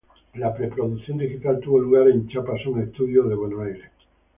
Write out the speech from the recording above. La preproducción digital tuvo lugar en Chapa Som Studios de Buenos Aires.